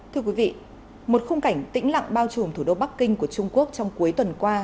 thưa quý vị một khung cảnh tĩnh lặng bao trùm thủ đô bắc kinh của trung quốc trong cuối tuần qua